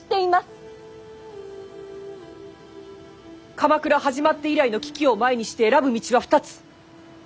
鎌倉始まって以来の危機を前にして選ぶ道は２つ。